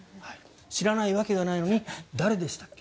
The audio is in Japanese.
知らないわけがないのに誰でしたっけ？